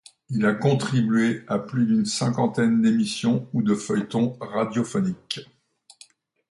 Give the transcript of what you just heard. Il a contribué à plus d'une cinquantaine d'émissions ou de feuilletons radiophoniques.